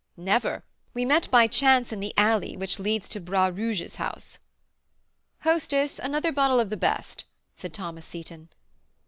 "Never; we met by chance in the alley which leads to Bras Rouge's house." "Hostess, another bottle of the best," said Thomas Seyton.